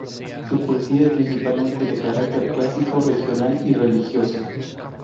Su poesía es principalmente de carácter clásico, regional y religioso.